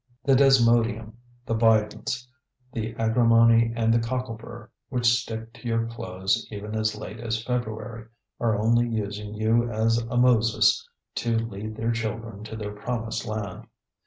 The desmodium, the bidens, the agrimony and the cocklebur, which stick to your clothes even as late as February, are only using you as a Moses to lead their children to their promised land.